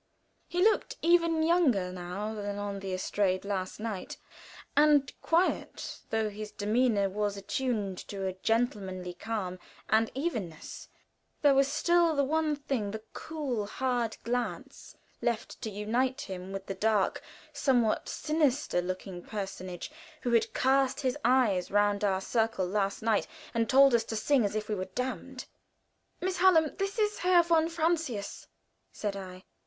He looked even younger now than on the estrade last night, and quiet though his demeanor was, attuned to a gentlemanly calm and evenness, there was still the one thing, the cool, hard glance left, to unite him with the dark, somewhat sinister looking personage who had cast his eyes round our circle last night, and told us to sing as if we were damned. "Miss Hallam, this is Herr von Francius," said I.